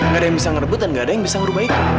gak ada yang bisa ngerebut dan gak ada yang bisa merubah itu